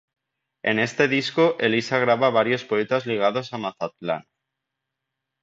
En este disco Elisa graba a varios poetas ligados a Mazatlán.